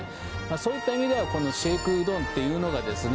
そういった意味ではこのシェイクうどんっていうのがですね